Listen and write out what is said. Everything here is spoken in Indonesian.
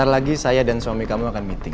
saya ingin tahu apa yang suami kamu akan meeting